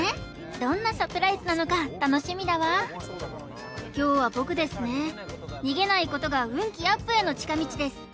どんなサプライズなのか楽しみだわ今日は僕ですね逃げないことが運気アップへの近道です